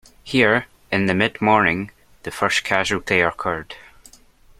Here, in the midmorning, the first casualty occurred.